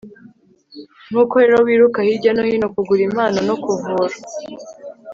nkuko rero wiruka hirya no hino, kugura impano no kuvura